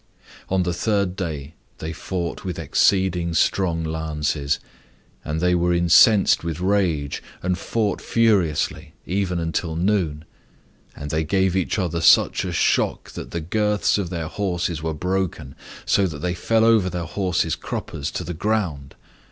And the third day they fought with exceeding strong lances. And they were incensed with rage, and fought furiously, even until noon. And they gave each other such a shock that the girths of their horses were broken, so that they fell over their horses' cruppers to the ground.